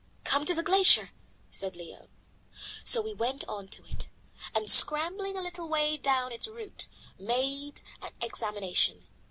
"Come to the glacier," said Leo. So we went on to it, and scrambling a little way down its root, made an examination.